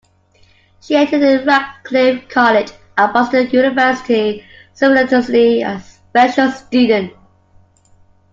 She attended Radcliffe College and Boston University simultaneously as a special student.